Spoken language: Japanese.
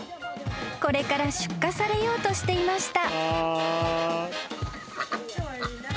［これから出荷されようとしていました］